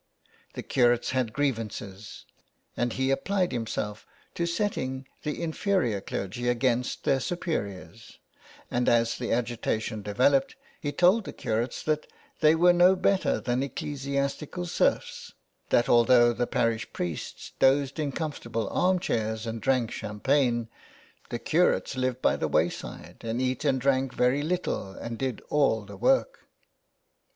The curates had grievances, and he applied himself to setting the inferior clergy against their superiors, and as the agitation developed he told the curates that they were no better than ecclesiastical serfs, that although the parish priests dozed in comfortable arm chairs and drank champagne, the curates lived by the wayside and eat and drank very little and did all the work.